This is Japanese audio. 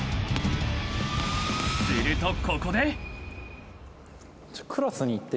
［するとここで］